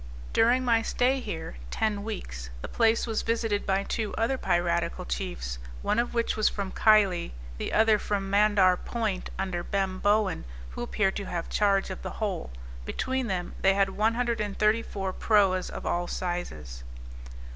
During my stay here (ten weeks) the place was visited by two other piratical chiefs, one of which was from Kylie, the other from Mandhaar Point under Bem Bowan, who appeared to have charge of the whole; between them they had 134 proas of all sizes.